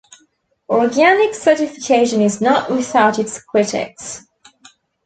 Organic certification is not without its critics.